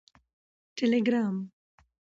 ټیلیګرام